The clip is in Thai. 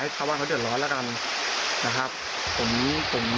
ส่วนผมก็เชื่อในเรื่องของผม